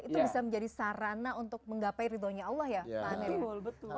itu bisa menjadi sarana untuk menggapai ridhonya allah ya pak amir